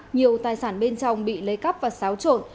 nhiều tài sản bên trong bị lấy cắp và xáo trộn